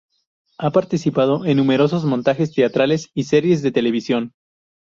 Ha participado en numerosos montajes teatrales y series de televisión.